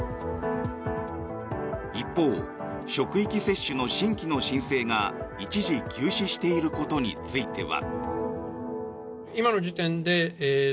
一方、職域接種の新規の申請が一時休止していることについては。